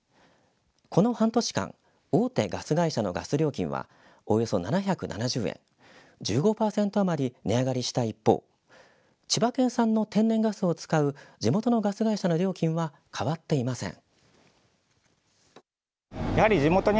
この半年間、大手ガス会社のガス料金はおよそ７７０円、１５％余り値上がりした一方、千葉県産の天然ガスを使う地元のガス会社の料金は変わっていません。